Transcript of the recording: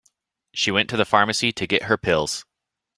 She went to the pharmacy to get her pills.